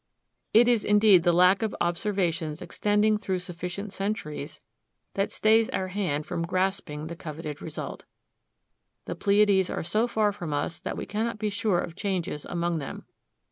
It is indeed the lack of observations extending through sufficient centuries that stays our hand from grasping the coveted result. The Pleiades are so far from us that we cannot be sure of changes among them.